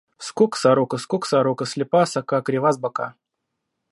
Скок, сорока, скок, сорока, слепа с ока, крива с бока.